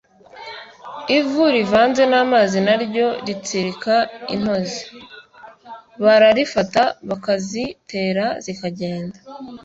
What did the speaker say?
Ivu rivanze n’amazi naryo ritsirika intozi, bararifata bakazitera zikagenda